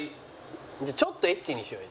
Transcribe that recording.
じゃあちょっとエッチにしようよ。